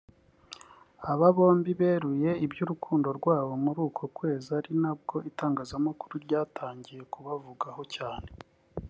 Aba bombi beruye iby’urukundo rwabo muri uko kwezi ari nabwo itangazamakuru ryatangiye kubavugaho cyane